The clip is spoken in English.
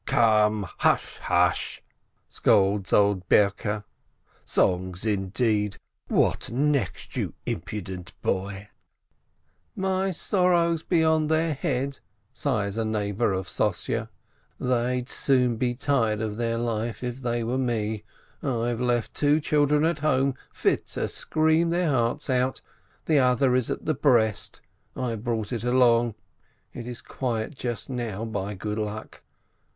"Come! hush, hush!" scolds old Berke. "Songs, in deed ! What next, you impudent boy ?" 264 STEINBERG "My sorrows be on their head!" sighs a neighbor of Sossye's. "They'd soon be tired of their life, if they were me. I've left two children at home fit to scream their hearts out. The other is at the breast, I have brought it along. It is quiet just now, by good luck."